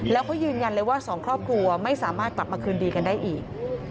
แล้วเขายืนยันเลยว่าสองครอบครัวไม่สามารถกลับมาคืนดีกันได้อีก